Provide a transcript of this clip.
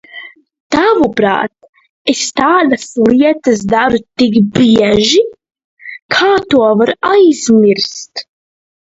Tavuprāt, es tādas lietas daru tik bieži, ka to var aizmirst?